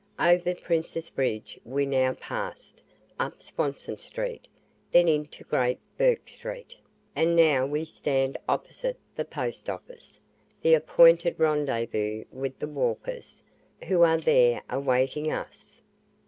Over Princes Bridge we now passed, up Swanston Street, then into Great Bourke Street, and now we stand opposite the Post office the appointed rendezvous with the walkers, who are there awaiting us.